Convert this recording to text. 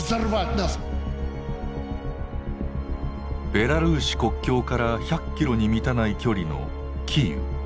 ベラルーシ国境から１００キロに満たない距離のキーウ。